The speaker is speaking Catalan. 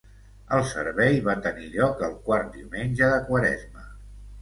El servei va tenir lloc el quart diumenge de quaresma.